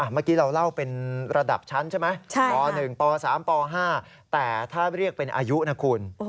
เมื่อกี้เราเล่าเป็นระดับชั้นใช่ไหมป๑ป๓ป๕แต่ถ้าเรียกเป็นอายุนะคุณ